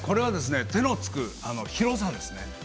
手のつく広さですね。